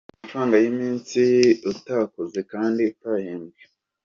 Guhabwa amafaranga y’iminsi utakoze kandi utahembewe.